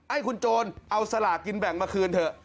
ให้คุณโจรเอาสลากกินแบ่งมาคืนเถอะ